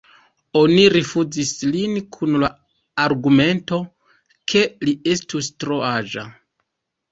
Oni rifuzis lin kun la argumento, ke li estus tro aĝa.